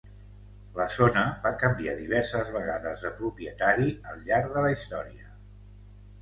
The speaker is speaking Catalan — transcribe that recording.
La zona va canviar diverses vegades de propietari al llarg de la història.